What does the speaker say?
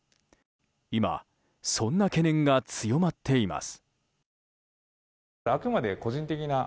今、そんな懸念が強まっています。